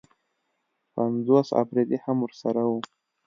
پنځوس اپرېدي هم ورسره وو.